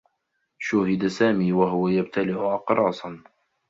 شوهِد سامي و هو يبتلع أقراصا.